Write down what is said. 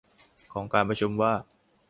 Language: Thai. ของการประชุมว่า